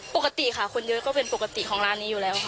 ปกติค่ะคนเยอะก็เป็นปกติของร้านนี้อยู่แล้วค่ะ